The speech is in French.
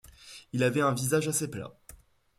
Il avait un visage assez plat.